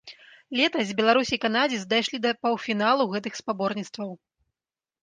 Летась беларус і канадзец дайшлі да паўфіналу гэтых спаборніцтваў.